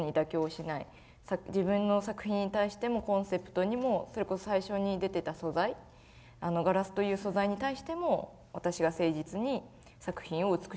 自分の作品に対してもコンセプトにもそれこそ最初に出てた素材あのガラスという素材に対しても私が誠実に作品を美しく作っていく。